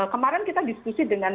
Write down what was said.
kemarin kita diskusi dengan